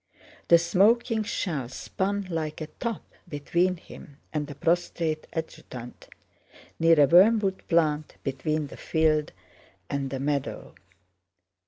The smoking shell spun like a top between him and the prostrate adjutant, near a wormwood plant between the field and the meadow.